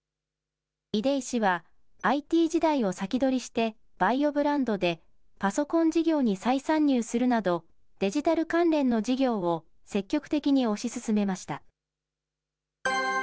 出井氏は、ＩＴ時代を先取りして、ＶＡＩＯブランドでパソコン事業に再参入するなど、デジタル関連の事業を積極的に推し進めました。